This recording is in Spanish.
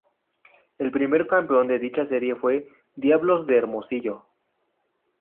El primer campeón de dicha serie fue Diablos de Hermosillo.